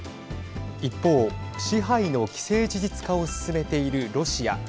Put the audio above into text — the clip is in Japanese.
一方、支配の既成事実化を進めているロシア。